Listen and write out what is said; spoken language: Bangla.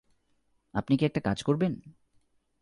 আপনি কি একটা কাজ করবেন?